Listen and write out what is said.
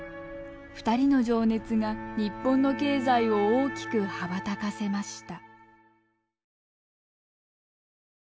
２人の情熱が日本の経済を大きく羽ばたかせました。